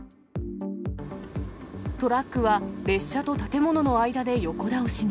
トラックは列車と建物の間で横倒しに。